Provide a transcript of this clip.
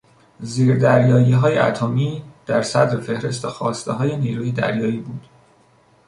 زیردریاییهای اتمیدر صدر فهرست خواستههای نیروی دریایی بود.